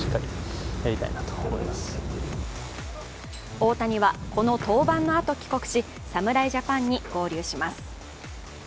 大谷は、この登板のあと帰国し、侍ジャパンに合流します。